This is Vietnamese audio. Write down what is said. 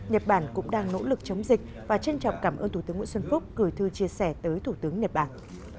nhật bản cũng đang nỗ lực chống dịch và trân trọng cảm ơn thủ tướng nguyễn xuân phúc gửi thư chia sẻ tới thủ tướng nhật bản